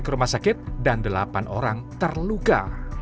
ke rumah sakit dan delapan orang terluka